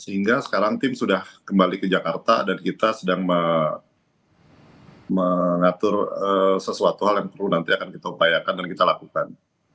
sehingga sekarang tim sudah kembali ke jakarta dan kita sedang mengatur sesuatu hal yang perlu nanti akan kita upayakan dan kita lakukan